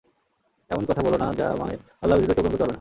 এমন কথা বলো না যা আমার আল্লাহ ব্যতীত কেউ পূরণ করতে পারে না।